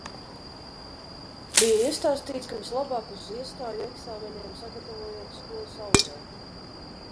Bija iestāstīts, ka vislabāk uz iestāju eksāmeniem sagatavojot skolas audzēkņi.